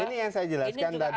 ini yang saya jelaskan tadi